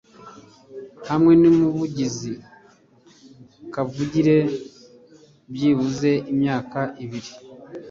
hamwe numuvugizi kavukire byibuze imyaka ibiri